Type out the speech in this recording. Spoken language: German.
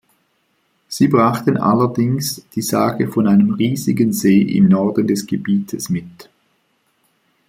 Sie brachten allerdings die Sage von einem riesigen See im Norden des Gebietes mit.